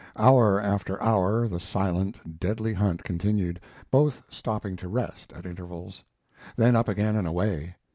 Hour after hour the silent, deadly hunt continued, both stopping to rest at intervals; then up again and away.